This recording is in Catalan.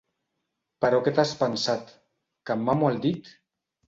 Però què t'has pensat, que em mamo el dit?